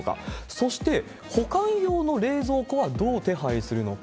そして、保管用の冷蔵庫はどう手配するのか。